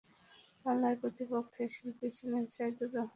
পালায় প্রতিপক্ষের শিল্পী ছিলেন সাইদুর রহমান বয়াতির পুত্র আবুল বাশার আব্বাসী।